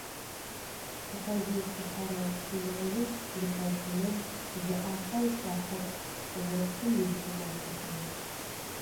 Тыкъэзыуцухьэрэ дунаим икъэухъумэн зы ӏахьэу хэхьэх чӏыопсым иухъумапӏэхэри.